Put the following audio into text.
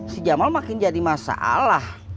si jamal makin jadi masalah